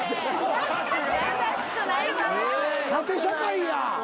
縦社会や。